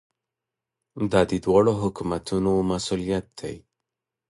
دا د دواړو حکومتونو مسؤلیت دی.